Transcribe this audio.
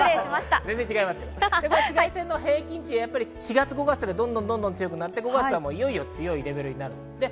紫外線の平均値、４月・５月でどんどん強くなって５月は強いレベルになります。